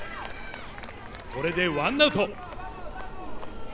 これでワンアウト。